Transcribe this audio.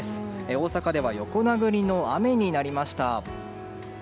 大阪では横殴りの雨になりました。